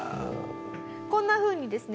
こんなふうにですね